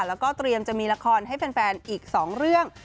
แล้วก็เตรียมจะมีละครให้แฟนอีก๒เรื่อง